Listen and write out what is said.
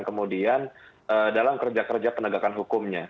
kemudian dalam kerja kerja penegakan hukumnya